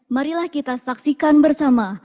marilah kita saksikan bersama